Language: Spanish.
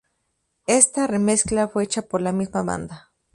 Esta remezcla fue hecha por la misma banda.